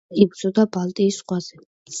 იბრძოდა ბალტიის ზღვაზე.